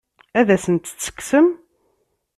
Ad asent-tt-tekksem?